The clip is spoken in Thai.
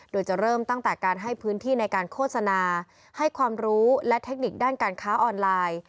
โดยจะเริ่มตั้งแต่การให้พื้นที่ในการโฆษณาให้ความรู้และเทคนิคด้านการค้าออนไลน์